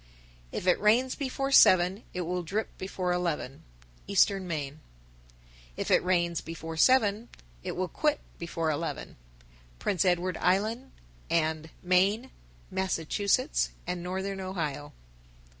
_ 964. If it rains before seven It will drip before eleven. Eastern Maine. 965. If it rain before seven It will quit before eleven. _Prince Edward Island and, Maine, Massachusetts, and Northern Ohio.